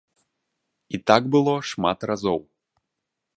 І так было шмат разоў.